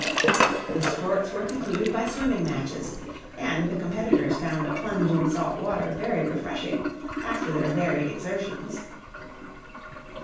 The sports were concluded by swimming matches, and the competitors found a plunge in salt water very refreshing after their varied exertions.